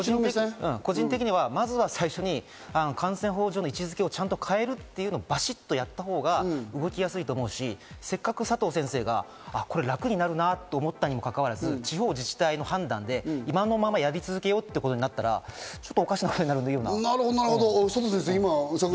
個人的にはまず最初に感染法上の位置付けをちゃんと変えるというのをバシっとやったほうが動きやすいと思うし、せっかく佐藤先生がこれは楽になるなと思ったにもかかわらず、地方自治体の判断で今のまま、やり続けようということになったらおかしなことになる気が。